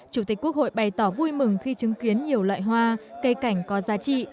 chủ tịch quốc hội bày tỏ vui mừng khi chứng kiến nhiều loại hoa cây cảnh có giá trị